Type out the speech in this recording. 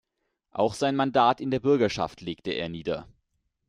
Auch sein Mandat in der Bürgerschaft legte er nieder.